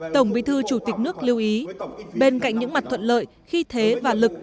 tổng bí thư chủ tịch nước lưu ý bên cạnh những mặt thuận lợi khi thế và lực